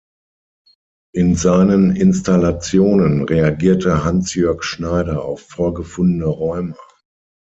In seinen Installationen reagierte Hansjörg Schneider auf vorgefundene Räume.